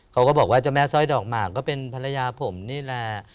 เขาก็บอกว่าเจ้าแม่สร้อยดอกหมากก็เป็นภรรยาผมนี่แหละ